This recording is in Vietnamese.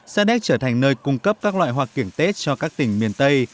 sa đéc trở thành nơi cung cấp các loại hoa kiểng tết cho các tỉnh miền tây